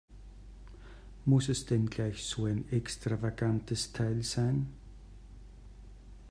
Muss es denn gleich so ein extravagantes Teil sein?